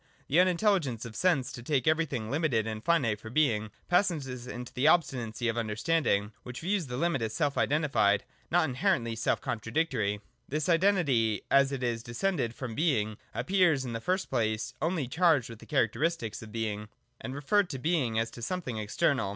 The unintelligence of sense, to take everything limited and finite for Being, passes into the obstinacy of under standing, which views the finite as self identical, not in herently self contradictory. 114.] This identity, as it has descended from Being, appears in the first place only charged with the charac teristics of Being, and referred to Being as to something external.